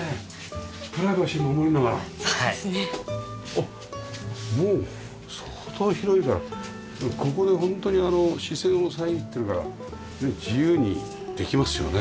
あっもう相当広いからここでホントにあの視線を遮ってるからね自由にできますよね。